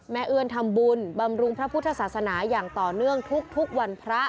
เอื้อนทำบุญบำรุงพระพุทธศาสนาอย่างต่อเนื่องทุกวันพระ